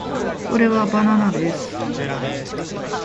これはバナナです